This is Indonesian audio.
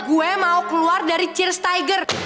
gue mau keluar dari cheers tiger